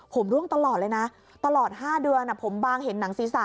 ผมร่วงตลอดเลยนะตลอด๕เดือนผมบางเห็นหนังศีรษะ